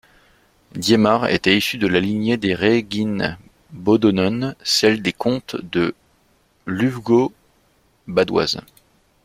Diemar était issu de la lignée des Reginbodonen, celle des comtes de l’Ufgau badoise.